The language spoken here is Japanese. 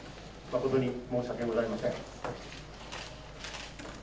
誠に申し訳ございません。